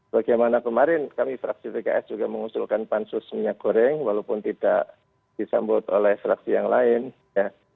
bagaimana kemarin kami fraksi pks juga mengusulkan pansus minyak goreng walaupun tidak disambut oleh fraksi yang lain ya